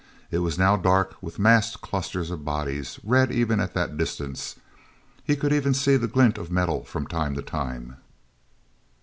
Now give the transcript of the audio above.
It was now dark with massed clusters of bodies, red even at that distance. He could even see the glint of metal from time to time.